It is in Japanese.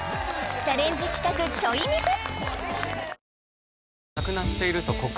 チャレンジ企画ちょい見せ！